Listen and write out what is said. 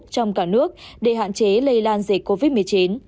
trong cả nước để hạn chế lây lan dịch covid một mươi chín